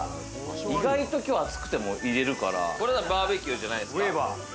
意外と、きょう暑くてもいれるから、バーベキューじゃないすか。